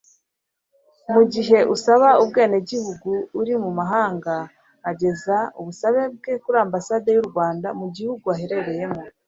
Mu gihe usaba ubwenegihugu ari mu mahanga, ageza ubusabe bwe kuri Ambasade y'u Rwanda mu gihugu aherereyemo.